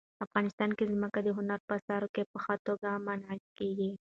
افغانستان کې ځمکه د هنر په اثار کې په ښه توګه منعکس کېږي.